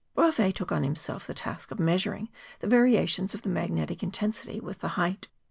Bravais took on himself the task of measuring the variations of the magnetic intensity with the height.